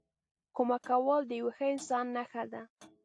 کمک کول د یوه ښه انسان نښه ده.